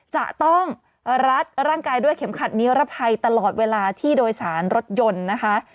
จะต้องรัดร่างกายด้วยเข็มขัดนิรภัยตลอดเวลาที่โดยสารรถยนต์นะคะ